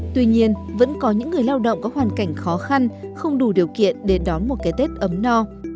tuy nhiên vẫn có những người lao động có hoàn cảnh khó khăn không đủ điều kiện để đón một cái tết ấm no